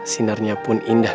sinar nya pun indah